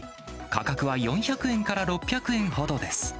価格は４００円から６００円ほどです。